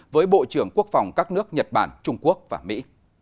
với bộ trưởng quốc phòng các nước nhật bản trung quốc và mỹ